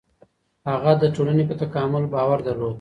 هغه د ټولني په تکامل باور درلود.